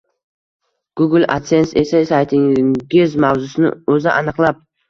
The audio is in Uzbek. Google adsense esa saytingiz mavzusini o’zi aniqlab